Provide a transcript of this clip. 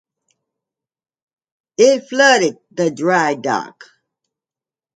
It flooded the dry dock.